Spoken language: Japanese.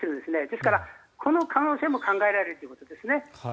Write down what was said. ですからこの可能性も考えられるということですね。